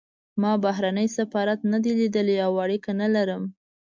ما بهرنی سفارت نه دی لیدلی او اړیکه نه لرم.